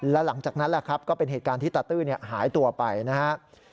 และหลังจากนั้นแหละครับก็เป็นเหตุการณ์ที่ตาตื้อหายตัวไปนะครับ